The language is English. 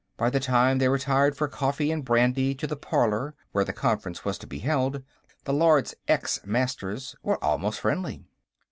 By the time they retired for coffee and brandy to the parlor where the conference was to be held, the Lords ex Masters were almost friendly.